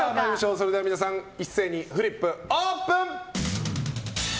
それでは皆さんフリップ、オープン！